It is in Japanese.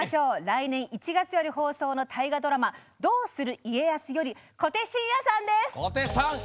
来年１月より放送の大河ドラマ「どうする家康」より小手伸也さんです。